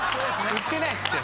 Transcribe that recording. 売ってないっすって。